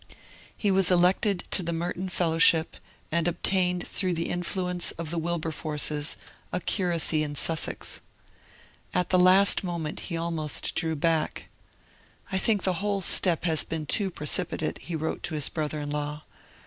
He was elected to the Merton Fellowship, and obtained through the influence of the Wilberforces a curacy in Sussex. At the last moment he almost drew back. 'I think the whole step has been too precipitate,' he wrote to his brother in law.